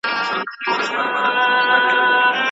شیخه مستي مي له خُماره سره نه جوړیږي